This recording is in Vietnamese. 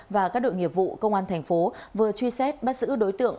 và các đội nghiệp vụ công an thành phố vừa truy xét bắt giữ đối tượng